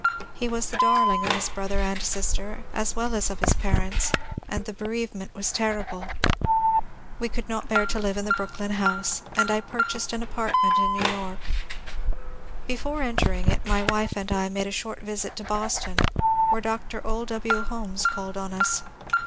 He was the darling of his brother and sister, as well as of his parents, and the bereavement was terrible. We could not bear to live in the Brooklyn house, and I purchased an apartment in New York. Before entering it my wife and I made a short visit to Boston, where Dr. O. W. Holmes called on us.